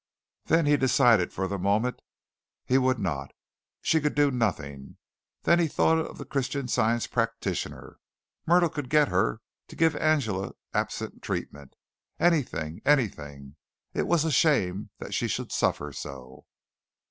Then he decided for the moment he would not. She could do nothing. Then he thought of the Christian Science practitioner. Myrtle could get her to give Angela absent treatment. Anything, anything it was a shame that she should suffer so.